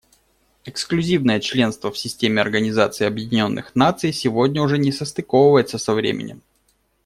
Эксклюзивное членство в системе Организации Объединенных Наций сегодня уже не состыковывается со временем.